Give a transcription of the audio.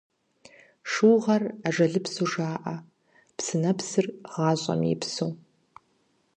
Шыугъэр ажалыпсу жаӀэ, псынэпсыр – гъащӀэм и псыу.